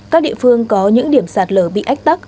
các địa phương có những điểm sạt lở bị ách tắc